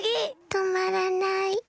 とまらない。